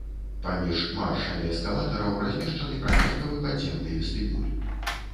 Паміж маршамі эскалатараў размешчаны прамежкавы падземны вестыбюль.